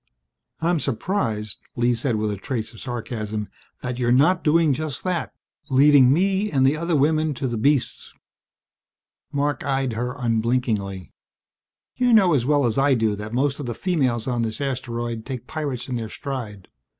"I'm surprised," Lee said with a trace of sarcasm, "that you're not doing just that, leaving me and the other women to the beasts!" Marc eyed her unblinkingly. "You know as well as I do that most of the females on this asteroid take pirates in their stride.